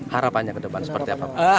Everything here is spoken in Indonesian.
harapannya ke depan seperti apa pak